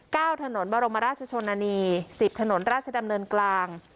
ถนนบรมราชชนนานีสิบถนนราชดำเนินกลาง